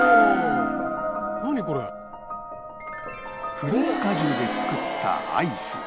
フルーツ果汁で作ったアイス